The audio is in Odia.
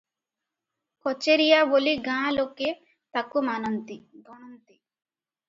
କଚେରିଆ ବୋଲି ଗାଁ ଲୋକେ ତାକୁ ମାନନ୍ତି, ଗଣନ୍ତି ।